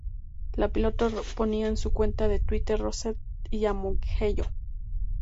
La piloto ponía en su cuenta de Twitter "Reset y a Mugello".